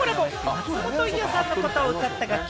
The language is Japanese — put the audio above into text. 松本伊代さんのことを歌った楽曲